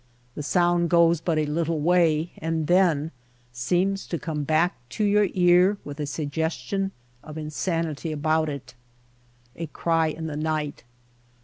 The sound goes but a little way and then seems to come back to your ear with a suggestion of insanity about it. A cry in the night